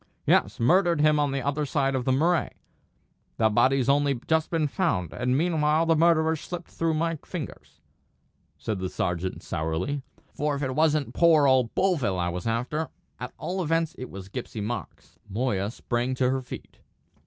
"Yes, murdered him on the other side of the Murray; the body's only just been found; and meanwhile the murderer's slipped through my fingers," said the sergeant, sourly; "for if it wasn't poor old Bovill I was after, at all events it was Gipsy Marks." Moya sprang to her feet.